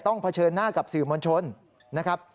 เผชิญหน้ากับสื่อมวลชนนะครับ